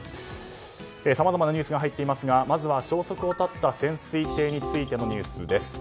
さまざまなニュースが入っていますがまずは消息を絶った潜水艇についてのニュースです。